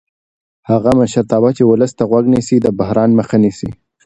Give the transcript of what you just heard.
هغه مشرتابه چې ولس ته غوږ نیسي د بحران مخه نیسي